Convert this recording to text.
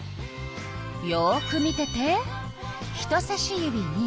よく見てて。